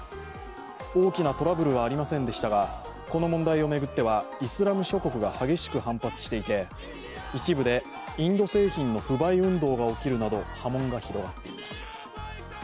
大きなトラブルはありませんでしたが、この問題を巡ってはイスラム諸国が激しく反発していて、一部でインド製品の不買運動が起きるなど波紋が広がっています。